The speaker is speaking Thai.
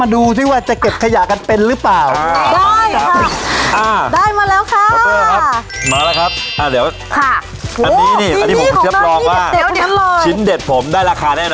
ตอนนี้กันจะต้องแกล้งกัน